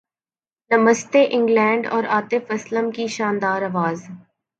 نمستے England اور عاطف اسلم کی شاندار اواز